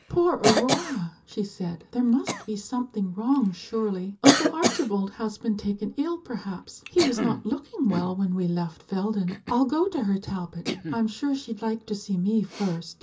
"Poor Aurora," she said; "there must be something wrong, surely. Uncle Archibald has been taken ill, perhaps; he was not looking well when we left Felden. I'll go to her, Talbot; I'm sure she'd like to see me first."